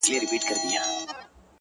تک سپين کالي کړيدي;